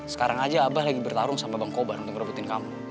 sekarang aja abah lagi bertarung sama bang kobar untuk ngerebutin kamu